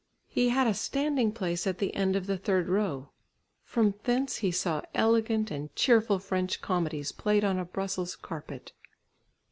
He had a standing place at the end of the third row. From thence he saw elegant and cheerful French comedies played on a Brussels carpet.